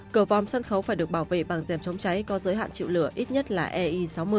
cửa vòm sân khấu phải được bảo vệ bằng dèm chống cháy có giới hạn chịu lửa ít nhất là ei sáu mươi